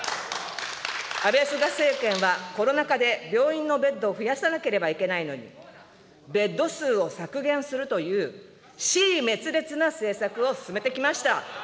安倍・菅政権はコロナ禍で病院のベッドを増やさなければいけないのに、ベッド数を削減するという支離滅裂な政策を進めてきました。